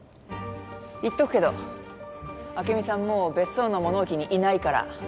言っとくけど朱美さんもう別荘の物置にいないから。